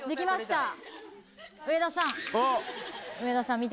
上田さん。